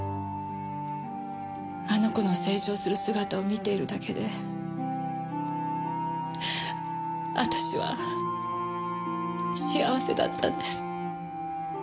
あの子の成長する姿を見ているだけで私は幸せだったんです。